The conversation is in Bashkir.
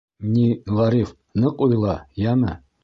— Ни, Ғариф, ныҡ уйла, йәме!